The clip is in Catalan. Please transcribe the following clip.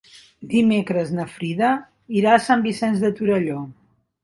Dimecres na Frida irà a Sant Vicenç de Torelló.